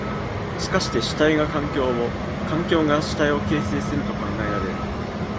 しかして主体が環境を、環境が主体を形成すると考えられる。